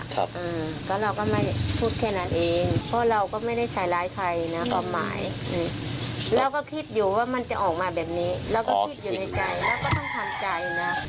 ก็เราก็ไม่พูดแค่นั้นเองเพราะเราก็ไม่ได้ใส่ร้ายใครนะความหมายเราก็คิดอยู่ว่ามันจะออกมาแบบนี้เราก็คิดอยู่ในใจแล้วก็ต้องทำใจนะ